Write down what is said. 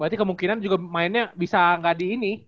berarti kemungkinan juga mainnya bisa nggak di ini